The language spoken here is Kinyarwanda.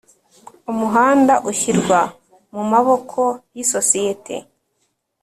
Umuhanda ushyirwa mu maboko y’isosiyete